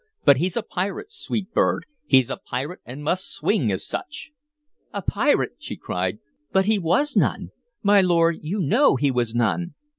But he 's a pirate, sweet bird; he's a pirate, and must swing as such!" "A pirate!" she cried. "But he was none! My lord, you know he was none!